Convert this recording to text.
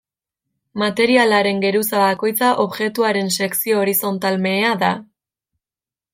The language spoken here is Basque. Materialaren geruza bakoitza objektuaren sekzio horizontal mehea da.